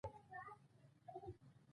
رشوت نه اخلي.